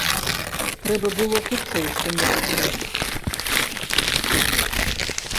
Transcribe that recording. Трэба было хутчэй што-небудзь зрабіць.